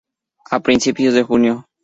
A principios de junio.